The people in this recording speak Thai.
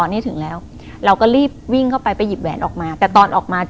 นี่ถึงแล้วเราก็รีบวิ่งเข้าไปไปหยิบแหวนออกมาแต่ตอนออกมา